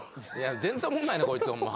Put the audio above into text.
全然おもんないなこいつホンマ。